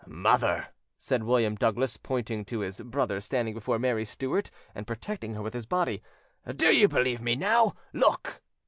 "Mother," said William Douglas, pointing to his brother standing before Mary Stuart and protecting her with his body, "do you believe me now? Look!"